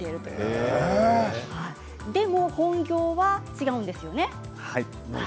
でも本業は違うんですよね。